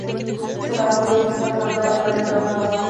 تر هغوی وروسته همدا لړۍ روانه وه.